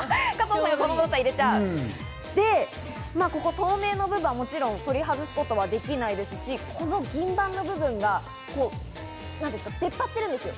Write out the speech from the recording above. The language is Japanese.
で、ここで透明な部分はもちろん取り外すことはできないですし、銀盤の部分は出っ張っているんですよ。